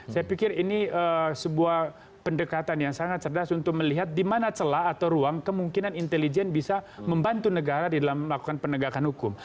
saya pikir ini sebuah pendekatan yang sangat cerdas untuk melihat di mana celah atau ruang kemungkinan intelijen bisa membantu negara di dalam melakukan penegakan hukum